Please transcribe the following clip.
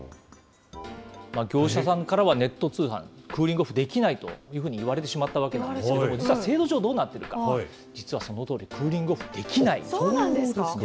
業者さんからはネット通販、クーリングオフできないというふうに言われてしまったわけなんですけれども、実は制度上どうなっているか、実はそのとおり、クーそうなんですか？